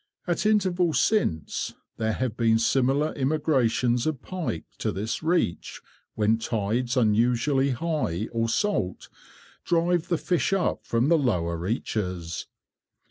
At intervals since, there have been similar immigrations of pike to this reach when tides unusually high or salt drive the fish up from the lower reaches.